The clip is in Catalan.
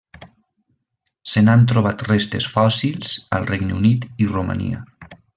Se n'han trobat restes fòssils al Regne Unit i Romania.